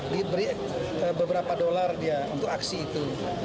diberi beberapa dolar dia untuk aksi itu